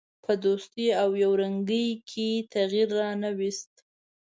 په دوستي او یو رنګي کې یې تغییر را نه ووست.